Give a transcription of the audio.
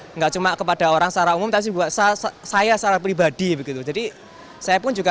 enggak cuma kepada orang secara umum tapi buat saya secara pribadi begitu jadi saya pun juga